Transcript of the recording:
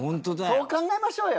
そう考えましょうよ。